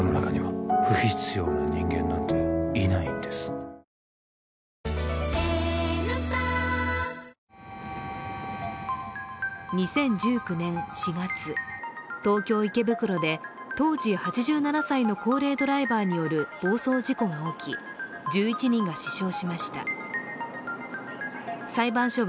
２０１９年４月、２０１９年４月、東京・池袋で高齢ドライバーによる暴走事故が起き１１人が死傷しました。